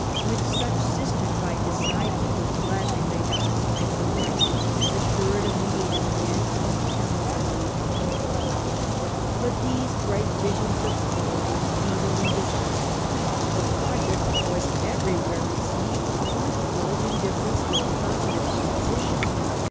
With such sisters by his side he would gladly lay down his life for Christ, assured of meeting them again in the everlasting home. But these bright visions of glory speedily dissolved ; the project was everywhere received with cold indiffer pauureoi ^^^®^^ positive Opposition.